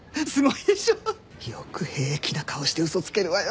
よく平気な顔して嘘つけるわよね。